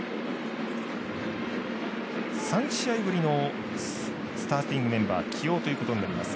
３試合ぶりのスターティングメンバーの起用ということになります